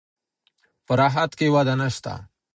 په راحت کې وده نشته.